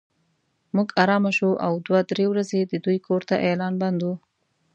موږ ارامه شوو او دوه درې ورځې د دوی کور ته اعلان بند و.